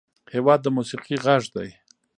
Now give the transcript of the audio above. هېواد د موسیقۍ غږ دی.